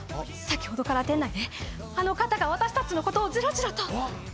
先ほどから店内であの方が私たちをじろじろと。